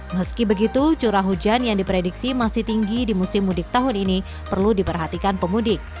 meski begitu curah hujan yang diprediksi masih tinggi di musim mudik tahun ini perlu diperhatikan pemudik